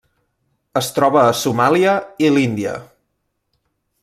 Es troba a Somàlia i l'Índia.